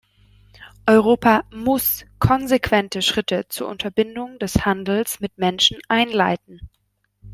Europa muss konsequente Schritte zur Unterbindung des Handels mit Menschen einleiten.